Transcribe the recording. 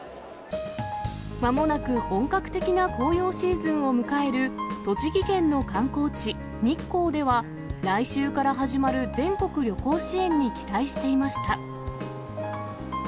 まもなく本格的な紅葉シーズンを迎える、栃木県の観光地、日光では、来週から始まる全国旅行支援に期待していました。